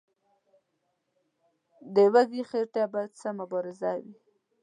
د وږي خېټې به څه مبارزه وي.